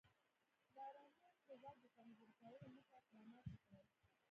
بارونیانو د واک د کمزوري کولو موخه اقدامات وکړل.